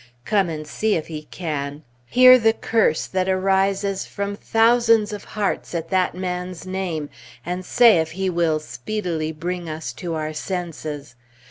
Come and see if he can! Hear the curse that arises from thousands of hearts at that man's name, and say if he will "speedily bring us to our senses."